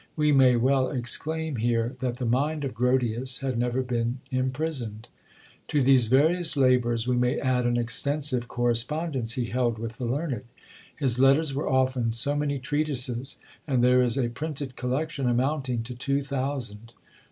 We may well exclaim here, that the mind of Grotius had never been imprisoned. To these various labours we may add an extensive correspondence he held with the learned; his letters were often so many treatises, and there is a printed collection amounting to two thousand.